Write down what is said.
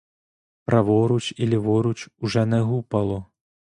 Праворуч і ліворуч уже не гупало.